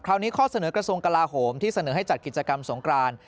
ข้อนี้ข้อเสนอกระทรวงกลาโหมที่เสนอให้จัดกิจกรรมสงคราน